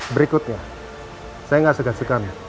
berikutnya saya gak segak segak